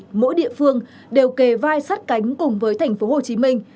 mỗi tập thể mỗi địa phương đều kề vai sắt cánh cùng với thành phố hồ chí minh